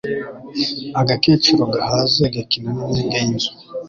Agakecuru gahaze gakina n'imyenge y'inzu.